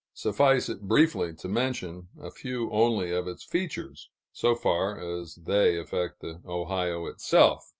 Suffice it briefly to mention a few only of its features, so far as they affect the Ohio itself.